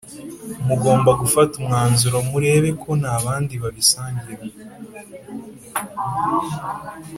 mugomba gufata umwanzuro murebe ko nta bandi babisangira.